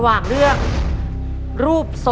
คุณยายแจ้วเลือกตอบจังหวัดนครราชสีมานะครับ